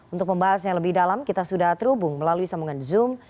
untuk pembahas yang lebih dalam kita sudah terhubung melalui sambungan zoom